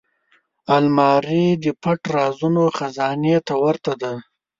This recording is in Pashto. الماري د پټ رازونو خزانې ته ورته ده